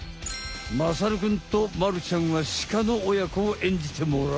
まさるくんとまるちゃんはシカの親子をえんじてもらおう。